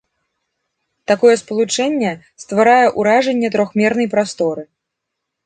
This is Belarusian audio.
Такое спалучэнне стварае ўражанне трохмернай прасторы.